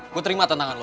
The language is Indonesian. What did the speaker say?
gue terima tantangan lo